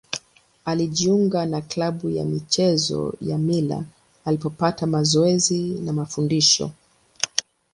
Alijiunga na klabu ya michezo ya Mila alipopata mazoezi na mafundisho.